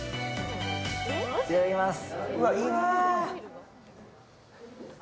いただきます。